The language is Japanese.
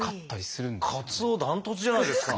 かつお断トツじゃないですか！